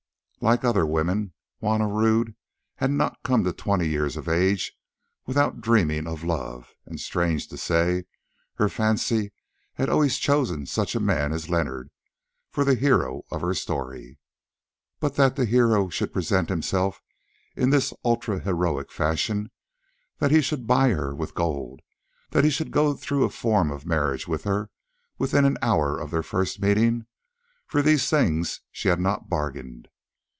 Like other women, Juanna Rodd had not come to twenty years of age without dreaming of love, and, strange to say, her fancy had always chosen some such man as Leonard for the hero of the story. But that the hero should present himself in this ultra heroic fashion, that he should buy her with gold, that he should go through a form of marriage with her within an hour of their first meeting—for these things she had not bargained.